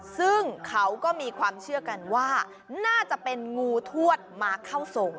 ซึ่งเขาก็มีความเชื่อกันว่าน่าจะเป็นงูทวดมาเข้าทรง